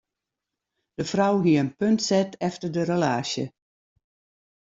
De frou hie in punt set efter de relaasje.